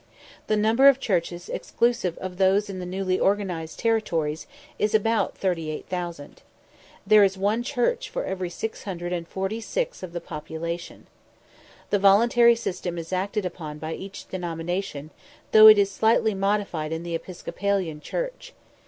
The number of churches, exclusive of those in the newly organised territories, is about 38,000. There is one church for every 646 of the population. The voluntary system is acted upon by each denomination, though it is slightly modified in the Episcopalian church.